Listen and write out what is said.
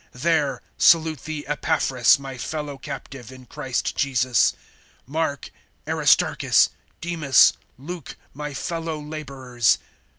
(23)There salute thee Epaphras, my fellow captive in Christ Jesus; (24)Mark, Aristarchus, Demas, Luke, my fellow laborers.